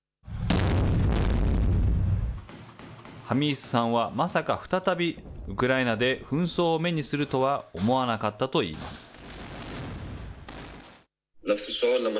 ハミースさんはまさか再びウクライナで紛争を目にするとは思わなかったといいます。